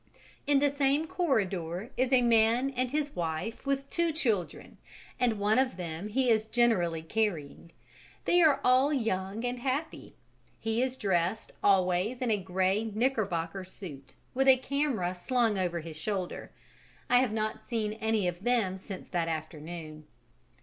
In the same corridor is a man and his wife with two children, and one of them he is generally carrying: they are all young and happy: he is dressed always in a grey knickerbocker suit with a camera slung over his shoulder. I have not seen any of them since that afternoon.